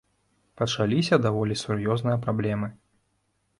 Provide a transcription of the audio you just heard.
Пачаліся даволі сур'ёзныя праблемы.